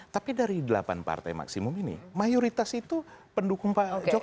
tapi dari delapan partai maksimum ini mayoritas itu pendukung pak jokowi